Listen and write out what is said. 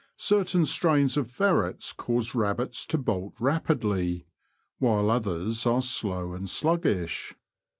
Certain strains of ferrets cause rabbits to bolt rapidly, while others are slow and sluggish.